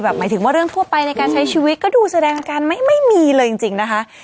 หมายถึงว่าเรื่องทั่วไปในการใช้ชีวิตก็ดูแสดงอาการไม่มีเลยจริงนะคะ